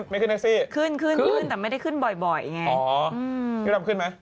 ไม่ขึ้นแท็กซี่